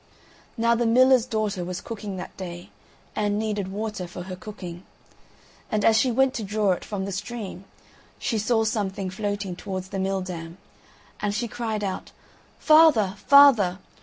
Now the miller's daughter was cooking that day, and needed water for her cooking. And as she went to draw it from the stream, she saw something floating towards the mill dam, and she called out, "Father! father!